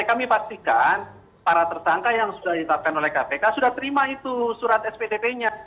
kami pastikan para tersangka yang sudah ditetapkan oleh kpk sudah terima itu surat sptp nya